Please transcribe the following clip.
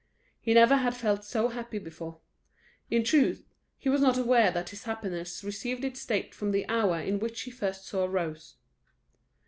He never had felt so happy before. In truth, he was not aware that this happiness received its date from the hour in which he first saw Rose.